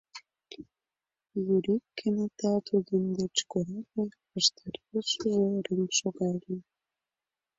Юрик кенета тудын деч кораҥе, ваштарешыже рыҥ шогале.